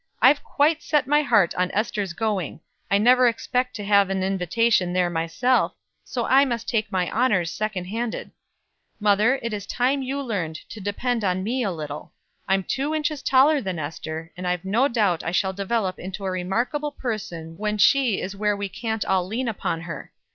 I've quite set my heart on Ester's going. I never expect to have an invitation there myself, so I must take my honors secondhand. "Mother, it is time you learned to depend on me a little. I'm two inches taller than Ester, and I've no doubt I shall develop into a remarkable person when she is where we can't all lean upon her.